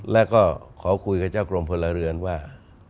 แล้วก็ขอคุยกับเจ้ากรมพลเรือนว่า